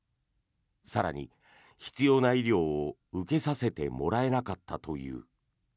更に、必要な医療を受けさせてもらえなかったという。